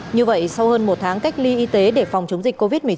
như vậy sau hơn một tháng cách ly y tế để phòng chống dịch covid một mươi chín